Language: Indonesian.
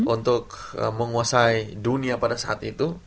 untuk menguasai dunia pada saat itu